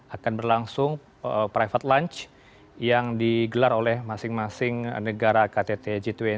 akan berlangsung private lunch yang digelar oleh masing masing negara ktt g dua puluh